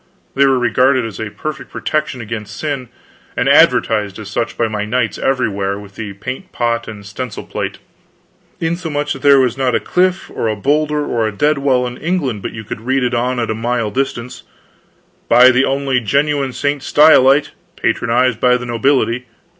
They were regarded as a perfect protection against sin, and advertised as such by my knights everywhere, with the paint pot and stencil plate; insomuch that there was not a cliff or a bowlder or a dead wall in England but you could read on it at a mile distance: "Buy the only genuine St. Stylite; patronized by the Nobility.